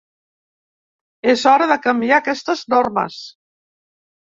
És hora de canviar aquestes normes.